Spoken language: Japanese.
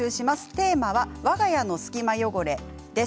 テーマは、わが家の隙間汚れです。